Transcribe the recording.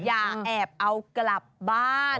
อย่าแอบเอากลับบ้าน